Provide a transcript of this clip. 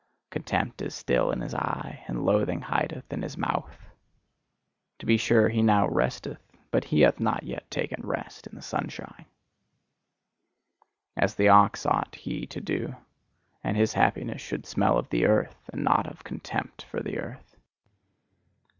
Contempt is still in his eye, and loathing hideth in his mouth. To be sure, he now resteth, but he hath not yet taken rest in the sunshine. As the ox ought he to do; and his happiness should smell of the earth, and not of contempt for the earth.